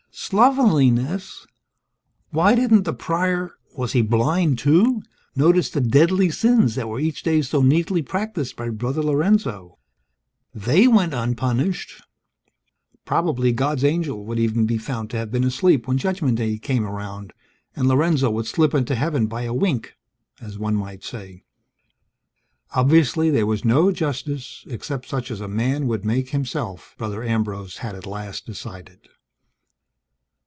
Slovenliness! Why didn't the Prior was he blind, too? notice the deadly sins that were each day so neatly practised by Brother Lorenzo? They went unpunished. Probably, God's Angel would even be found to have been asleep when Judgment Day came around and Lorenzo would slip into Heaven by a wink, as one might say. Obviously, there was no justice, except such as man would make himself, Brother Ambrose had at last decided.